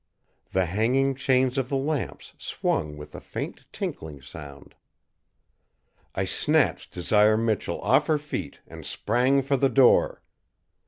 The hanging chains of the lamps swung with a faint tinkling sound. I snatched Desire Michell off her feet and sprang for the door.